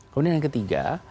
kemudian yang ketiga